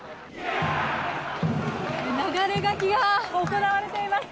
流舁きが行われています。